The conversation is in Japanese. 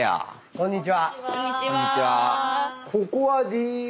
こんにちは。